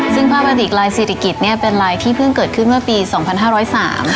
ซึ่งผ้าบาติกลายซีริกิตเนี่ยเป็นลายที่เพิ่งเกิดขึ้นเมื่อปี๒๕๐๓ค่ะ